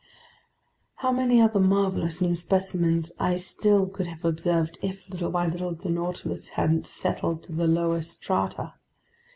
How many other marvelous new specimens I still could have observed if, little by little, the Nautilus hadn't settled to the lower strata!